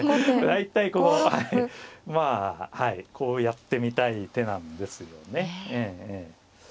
大体このはいまあはいこうやってみたい手なんですよね。